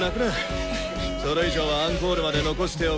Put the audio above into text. それ以上はアンコールまで残しておけ。